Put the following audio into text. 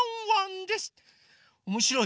おもしろい？